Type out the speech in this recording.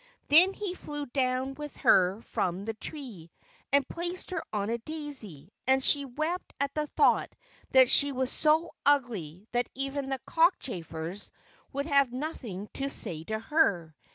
Then he flew down with her from the tree, and placed her on a daisy, and she wept at the thought that she was so ugly that even the cockchafers would have nothing to say to her.